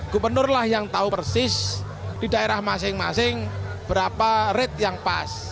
gubernur lah yang tahu persis di daerah masing masing berapa rate yang pas